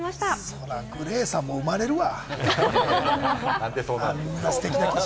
そりゃあＧＬＡＹさんも生まれるわ。